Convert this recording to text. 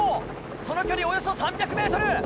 その距離およそ３００ｍ！